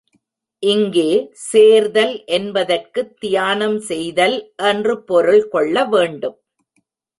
இங்கே, சேர்தல் என்பதற்குத் தியானம் செய்தல் என்று பொருள் கொள்ள வேண்டும்.